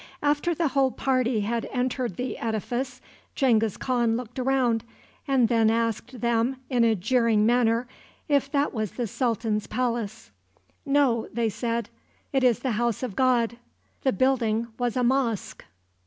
After the whole party had entered the edifice, Genghis Khan looked around, and then asked them, in a jeering manner, if that was the sultan's palace. "No," said they, "it is the house of God." The building was a mosque.